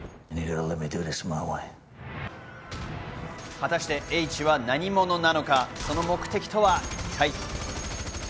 果たしてＨは何者なのか、その目的とは一体。